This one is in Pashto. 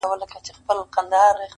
که هر څو دي په لاره کي گړنگ در اچوم.